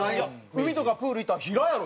海とかプール行ったら平やろ？